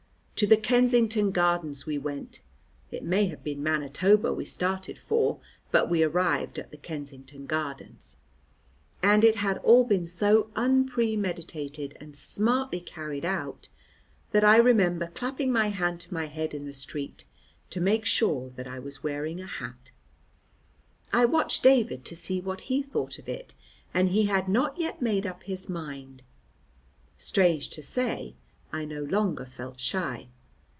To the Kensington Gardens we went; it may have been Manitoba we started for, but we arrived at the Kensington Gardens, and it had all been so unpremeditated and smartly carried out that I remember clapping my hand to my head in the street, to make sure that I was wearing a hat. I watched David to see what he thought of it, and he had not yet made up his mind. Strange to say, I no longer felt shy.